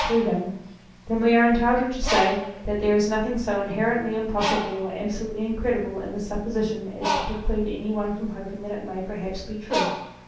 through him, then we are entitled to say that there is nothing so inherently impossible or absolutely in credible in this supposition as to preclude any one from hoping that it may perhaps be true.